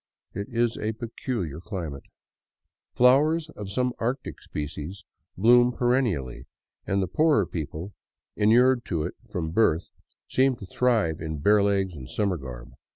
It is a peculiar climate. Flowers — of some Arctic species — bloom perennially, and the poorer people, inured to it from birth, seem to thrive in bare legs and summer garb.